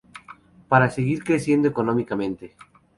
para seguir creciendo económicamente